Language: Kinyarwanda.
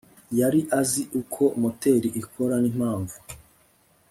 yari azi uko moteri ikora n'impamvu